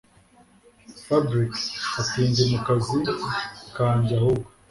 Fabric atindi mukazi kajye ahubwo